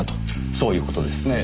そういう事ですねえ。